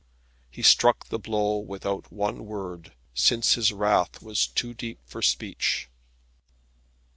He struck the blow without one word, since his wrath was too deep for speech.